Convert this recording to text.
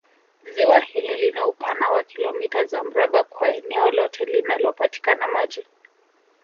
Ziwa hili lina upana wa kilomita za mraba kwa eneo lote linalopatikana maji